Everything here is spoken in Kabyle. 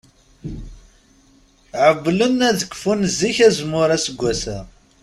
Ɛewwlen ad d-kfun zik azemmur aseggas-a.